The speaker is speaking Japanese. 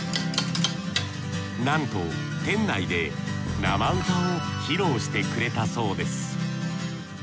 なんと店内で生歌を披露してくれたそうです